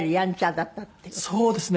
そうですね。